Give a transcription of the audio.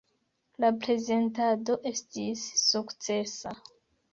La prezentado estis sukcesa.